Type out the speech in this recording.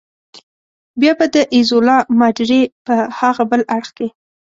بیا به د ایزولا ماډرې په هاغه بل اړخ کې.